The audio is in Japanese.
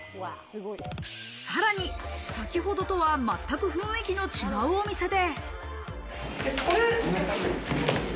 さらに先ほどとは全く雰囲気の違うお店で。